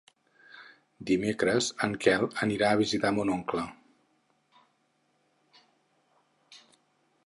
Dimecres en Quel anirà a visitar mon oncle.